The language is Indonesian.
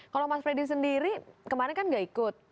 kalau mas freddy sendiri kemarin kan gak ikut